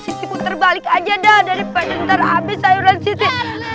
siti puter balik aja dah dari pedentar abis sayuran siti